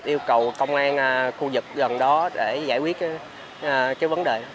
yêu cầu công an khu vực gần đó để giải quyết cái vấn đề